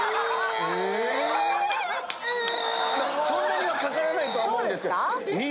そんなにはかからないとは思うんですけど。